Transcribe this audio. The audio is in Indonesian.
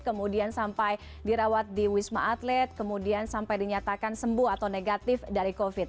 kemudian sampai dirawat di wisma atlet kemudian sampai dinyatakan sembuh atau negatif dari covid